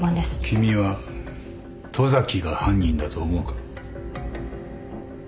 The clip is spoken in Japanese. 君は十崎が犯人だと思うか？